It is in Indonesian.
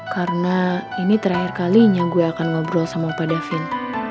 karena ini terakhir kali nya gue akan ngobrol sama opa da vin